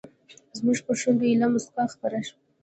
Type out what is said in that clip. زموږ پر شونډو ایله موسکا خپره شوه.